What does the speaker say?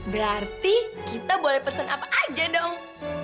berarti kita boleh pesen apa aja dong